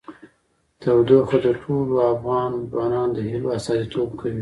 تودوخه د ټولو افغان ځوانانو د هیلو استازیتوب کوي.